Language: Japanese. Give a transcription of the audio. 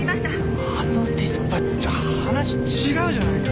あのディスパッチャー話違うじゃないか！